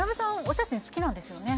お写真好きなんですよね？